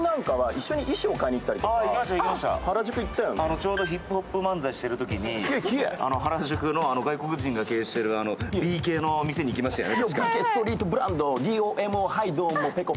ちょうどヒップホップ漫才をしていているときに原宿の外国人が経営してるＢ系の店行ったよね。